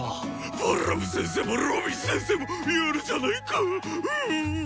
バラム先生もロビン先生もやるじゃないかううっ。